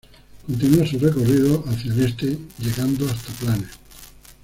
Continúa su recorrido hacia el este llegando hasta Planes.